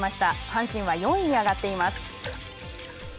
阪神は４位に上がっています。